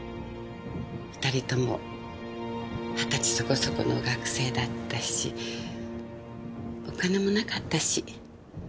２人共二十歳そこそこの学生だったしお金もなかったし。